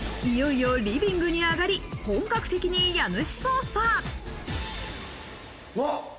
いよいよリビングに上がり、本格的に家主捜査。